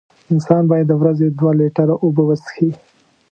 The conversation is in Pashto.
انسان باید د ورځې دوه لېټره اوبه وڅیښي.